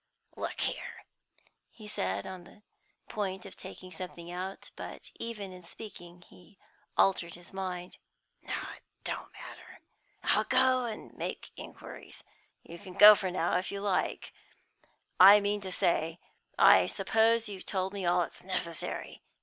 "Look here," he said, on the point of taking something out; but, even in speaking, he altered his mind. "No; it don't matter. I'll go and make inquiries. You can go now, if you like; I mean to say, I suppose you've told me all that's necessary.